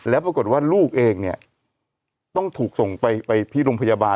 แล้วปรากฏว่าลูกเองเนี่ยต้องถูกส่งไปที่โรงพยาบาล